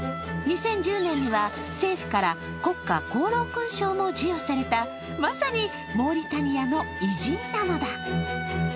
２０１０年には政府から国家功労勲章も授与されたまさにモーリタニアの偉人なのだ。